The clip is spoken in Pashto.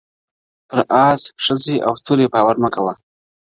¬ پر آس، ښځي او توري باور مه کوه.